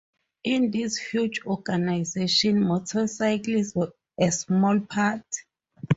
In this huge organization motorcycles were a small part.